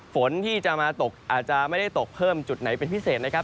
ฝนที่จะมาตกอาจจะไม่ได้ตกเพิ่มจุดไหนเป็นพิเศษนะครับ